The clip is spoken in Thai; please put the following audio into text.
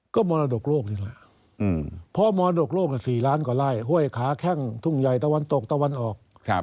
ก็มรดกโลกนี่แหละเพราะมรดกโลก๔ล้านกว่าไล่ห้วยขาแข้งทุ่งใหญ่ตะวันตกตะวันออก